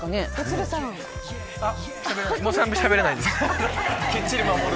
もうしゃべれないです。